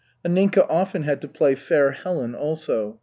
Anninka often had to play Fair Helen also.